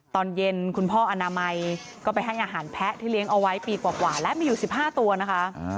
ตอนเย็นคุณพ่ออนามัยก็ไปให้อาหารแพะที่เลี้ยงเอาไว้ปีกว่าและมีอยู่๑๕ตัวนะคะ